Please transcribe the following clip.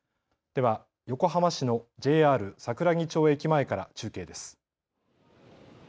では横浜市のＪＲ桜木町駅前から中継です。